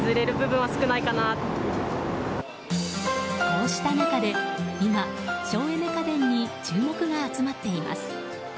こうした中で今、省エネ家電に注目が集まっています。